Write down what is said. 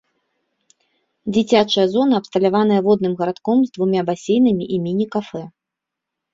Дзіцячая зона абсталяваная водным гарадком з двума басейнамі і міні-кафэ.